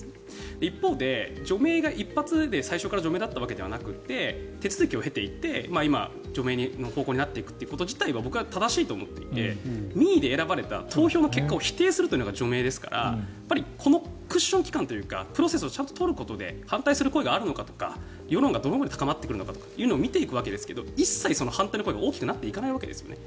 一方で除名が一発で最初から除名だったわけではなくて手続きを経ていって今、除名の方向になっていくということ自体は僕は正しいと思っていて任意で選ばれた投票の結果を否定するというのが除名ですからやっぱりこのクッション期間というかプロセスをちゃんととることで反対する声があるのかとか世論がどれくらい高まってくるのかを見ていくわけですが一切その反対の声が大きくなっていかないわけですよね。